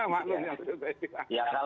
maklum yang sudah saya cakap